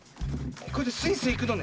これでスイスイいくのね。